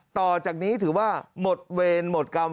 ต่อจากนี้ถือว่าหมดเวรหมดกรรม